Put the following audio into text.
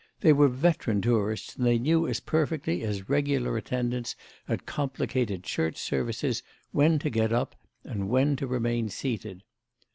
They were veteran tourists and they knew as perfectly as regular attendants at complicated church services when to get up and when to remain seated.